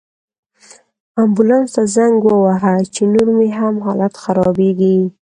امبولانس ته زنګ ووهه، چې نور مې هم حالت خرابیږي